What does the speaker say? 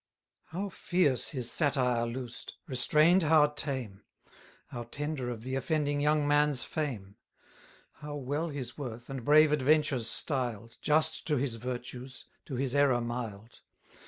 How fierce his satire loosed! restrain'd, how tame! How tender of the offending young man's fame! 1050 How well his worth, and brave adventures styled, Just to his virtues, to his error mild!